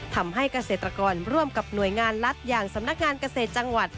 ทำให้เกษตรกรร่วมกับหน่วยงานรัฐอย่างสำนักงานเกษตรจังหวัด